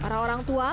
para orang tua